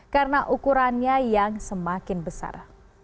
karena ukurannya yang semakin besar